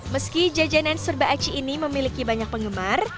meski jajanan serba aci ini memiliki banyak penggemar